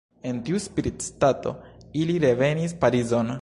En tiu spiritstato ili revenis Parizon.